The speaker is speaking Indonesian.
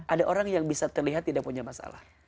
ada orang yang bisa terlihat tidak punya masalah